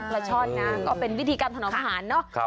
ปลาช่อนน่ะก็เป็นวิธีการทนพันธ์เนอะ